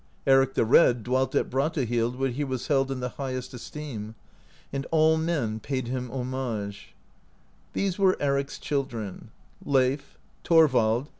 Eric the Red dwelt at Bratahlid, where he was held in the highest esteem, and all men paid him homage* These were Eric's children : Leif, Thorvald.